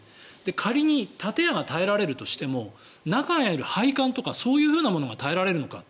仮に建屋が耐えられるとしても中にある配管とかそういうふうなものが耐えられるのか。